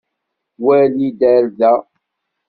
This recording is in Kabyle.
Wali-d ar da!